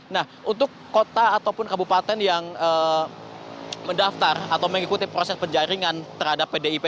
nah untuk kota ataupun kabupaten yang mendaftar atau mengikuti proses penjaringan terhadap pdip